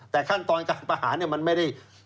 แต่ขั้นตอนการประหารมันไม่ได้